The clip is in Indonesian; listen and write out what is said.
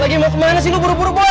lagi mau kemana sih lo buru buru boy